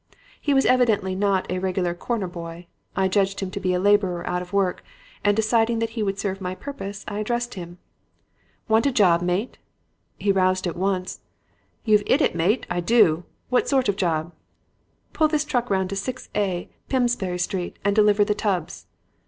He was evidently not a regular 'corner boy.' I judged him to be a laborer out of work, and deciding that he would serve my purpose I addressed him. "'Want a job, mate?' "He roused at once. 'You've 'it it, mate. I do. What sort of job?' "'Pull this truck round to 6A Plimsbury Street and deliver the tubs.'